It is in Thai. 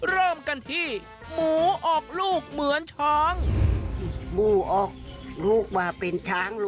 เริ่มกันที่หมูอกลูกเหมือนช้าง